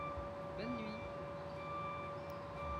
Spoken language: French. Bonne nuit !